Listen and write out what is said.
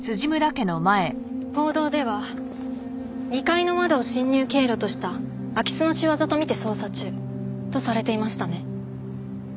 報道では２階の窓を侵入経路とした空き巣の仕業と見て捜査中とされていましたね。